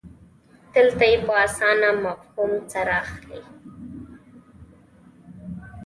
دلته یې په اسانه مفهوم سره اخلئ.